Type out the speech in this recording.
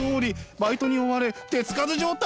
バイトに追われ手つかず状態！